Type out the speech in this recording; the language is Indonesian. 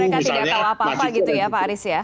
mereka tidak tahu apa apa gitu ya pak aris ya